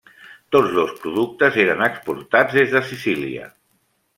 Tots dos productes eren exportats des de Sicília.